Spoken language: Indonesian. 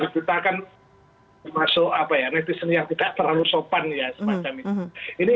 kita kan masuk netizen yang tidak terlalu sopan ya semacam ini